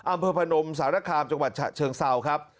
อำเภอผนมสหราครามเจ้าข์เชิงเศร้าครับ